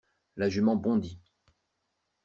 La jument bondit.